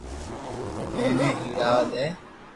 ايني ھيڙوا دي